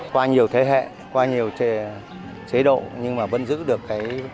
qua nhiều thế hệ qua nhiều chế độ nhưng mà vẫn giữ được cái